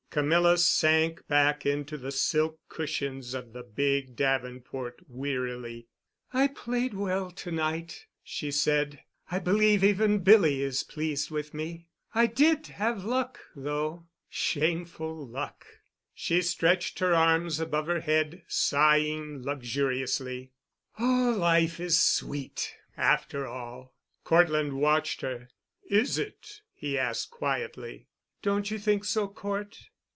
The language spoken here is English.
Camilla sank back into the silk cushions of the big davenport wearily. "I played well to night," she said; "I believe even Billy is pleased with me. I did have luck, though—shameful luck——" She stretched her arms above her head, sighing luxuriously. "Oh, life is sweet—after all." Cortland watched her. "Is it?" he asked quietly. "Don't you think so, Cort?"